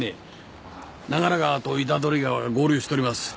長良川と板取川が合流しとります。